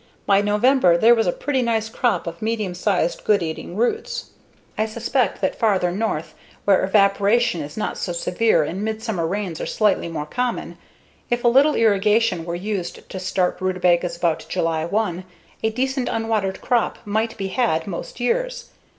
By November there was a pretty nice crop of medium size good eating roots. I suspect that farther north, where evaporation is not so severe and midsummer rains are slightly more common, if a little irrigation were used to start rutabagas about July 1, a decent unwatered crop might be had most years.